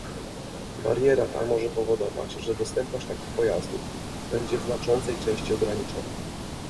Bariera ta może powodować, że dostępność takich pojazdów będzie w znaczącej części ograniczona